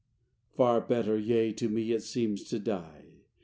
XXI Far better, yea, to me it seems, to die!